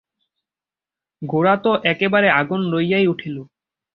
গোরা তো একেবারে আগুন হইয়া উঠিল।